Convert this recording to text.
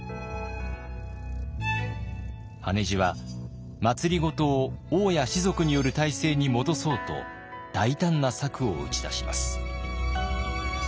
羽地は政を王や士族による体制に戻そうと大胆な策を打ち出します。